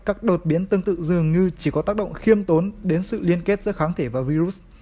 các đột biến tương tự dường như chỉ có tác động khiêm tốn đến sự liên kết giữa kháng thể và virus